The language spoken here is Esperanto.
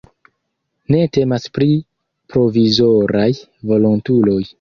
Ne temas pri "provizoraj" volontuloj.